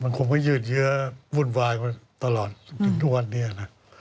มันคงจะยืดเยอะวุ่นวายตลอดถึงทุกวันเนี่ยนะ